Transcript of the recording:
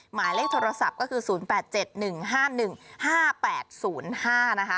หมายเลขโทรศัพท์ก็คือ๐๘๗๑๕๑๕๘๐๕นะคะ